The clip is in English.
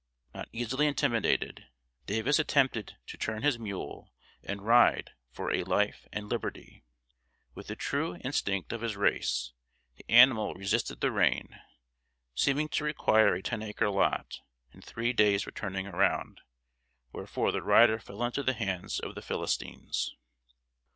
Not easily intimidated, Davis attempted to turn his mule and ride for a life and liberty. With the true instinct of his race, the animal resisted the rein, seeming to require a ten acre lot and three days for turning around wherefore the rider fell into the hands of the Philistines.